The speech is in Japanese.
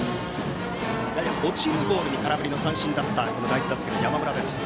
やや落ちるボールに空振り三振だった第１打席の山村。